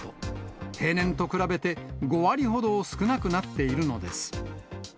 平年と比べて５割ほど少なくなっているのです。